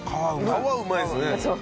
皮うまいっすね。